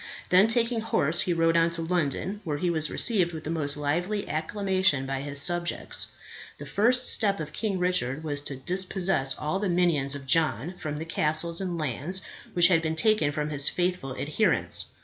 Then taking horse, he rode on to London, where he was received with the most lively acclamation by his subjects. The first step of King Richard was to dispossess all the minions of John from the castles and lands which had been taken from his faithful adherents.